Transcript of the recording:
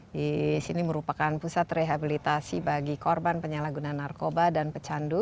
di sini merupakan pusat rehabilitasi bagi korban penyalahgunaan narkoba dan pecandu